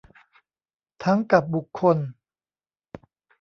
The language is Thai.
ทั้งกับบุคคล